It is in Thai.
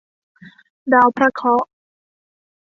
ดาวพระเคราะห์